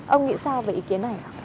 ông nghĩ sao về ý kiến này